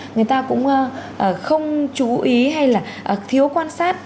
người ta cũng không chú ý hay là thiếu quan sát